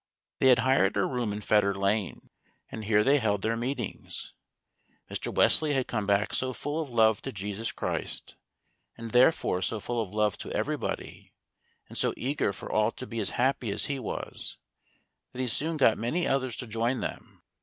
They had hired a room in Fetter Lane, and here they held their meetings. Mr. Wesley had come back so full of love to Jesus Christ, and therefore so full of love to everybody, and so eager for all to be as happy as he was, that he soon got many others to join them.